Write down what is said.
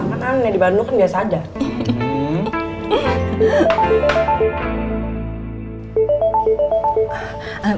kan aneh di bandung kan biasa aja